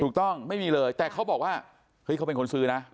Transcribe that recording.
ไม่มีเลยแต่เขาบอกว่าเฮ้ยเขาเป็นคนซื้อนะ